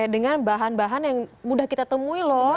dengan bahan bahan yang mudah kita temui loh